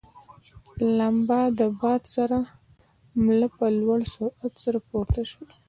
لمبه له باده سره مله په لوړ سرعت سره پورته شول.